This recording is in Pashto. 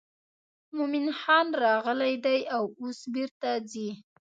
مومن خان راغلی دی او اوس بیرته ځي.